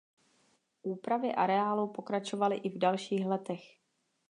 Úpravy areálu pokračovaly i v dalších letech.